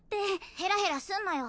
ヘラヘラすんなよ！